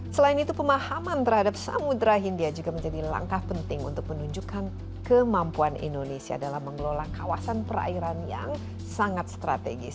selain itu pemahaman terhadap samudera hindia juga menjadi langkah penting untuk menunjukkan kemampuan indonesia dalam mengelola kawasan perairan yang sangat strategis